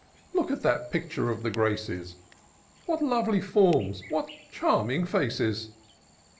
Look at that picture of the Graces, What lovely forms! — ^wliat charming faces!'